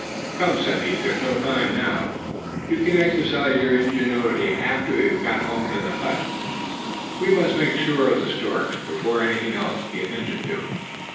"Come!" said he, "there is no time now. You can exercise your ingenuity after we have got home to the hut. We must make sure of the storks, before anything else be attended to.